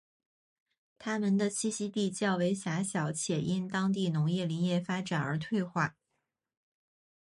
它们的栖息地较为狭小且因当地农业林业发展而退化。